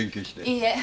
いいえ。